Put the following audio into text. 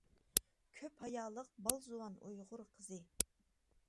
كۆپ ھايالىق، بال زۇۋان ئۇيغۇر قىزى.